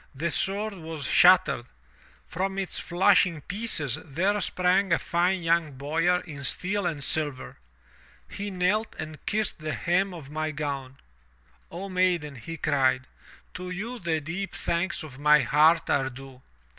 The sword was shattered. From its flashing pieces there sprang a fine young boyar in steel and silver. He knelt and kissed the hem of my gown. " 'O maiden,' he cried, *to you the deep thanks of my heart are due.